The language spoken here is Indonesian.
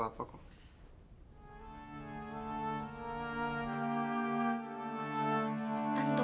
apa aku emang gak berarti buat kamu